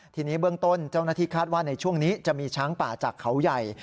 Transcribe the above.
ทีนี้เบื้องต้นเจ้าหน้าที่คาดว่าในช่วงนี้จะมีช้างป่าจากเขาใหญ่